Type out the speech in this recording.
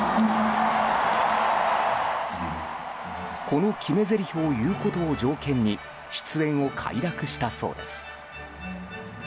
この決めぜりふを言うことを条件に出演を快諾したそうです。